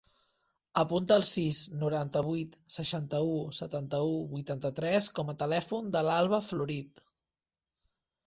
Apunta el sis, noranta-vuit, seixanta-u, setanta-u, vuitanta-tres com a telèfon de l'Alba Florit.